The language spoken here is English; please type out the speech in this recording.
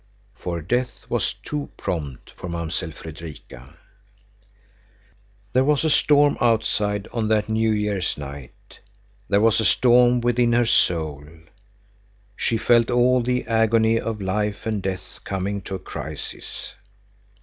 For Death was too prompt for Mamsell Fredrika. There was a storm outside on that New Year's night; there was a storm within her soul. She felt all the agony of life and death coming to a crisis.